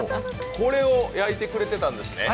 これを焼いてくれていたんですね。